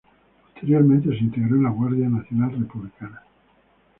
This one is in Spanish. Posteriormente se integró en la Guardia Nacional Republicana.